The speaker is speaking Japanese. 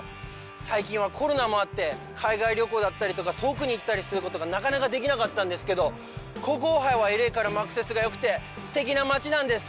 最近は、コロナもあって海外旅行だったりとか遠くに行ったりすることがなかなかできなかったんですけどここオハイは、Ｌ．Ａ．からもアクセスがよくてすてきな街なんです。